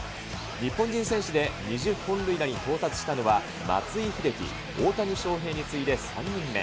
日本人選手で２０本塁打に到達したのは松井秀喜、大谷翔平に次いで３人目。